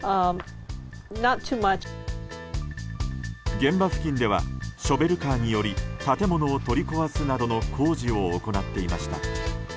現場付近ではショベルカーにより建物を取り壊すなどの工事を行っていました。